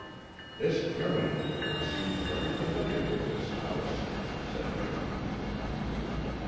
"This criminal of yours seems very familiar with this house," said Jones.